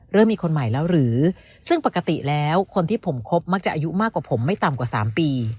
เริ่มมีคนใหม่แล้วหรือซึ่งปกติแล้วคนที่ผมคบมักจะอายุมากกว่าผมไม่ต่ำกว่า๓ปี